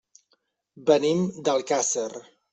Venim d'Alcàsser.